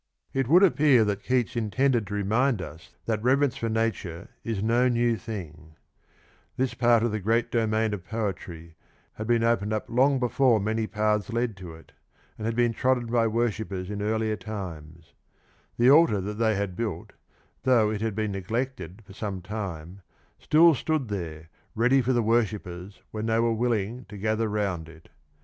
It 1 I would appear that Keats intended to remind us that reverence for Nature is no new thing; this part of the great domain of poetry had been opened up long before ; many paths led to it and had been trodden by worshippers in earlier times; the altar that they had built, though it had been neglected for some time, still stood there ready for the worshippers when they were willing to gather round it.